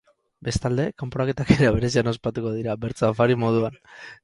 Bestalde, kanporaketak era berezian ospatuko dira, bertso-afari moduan.